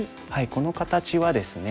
この形はですね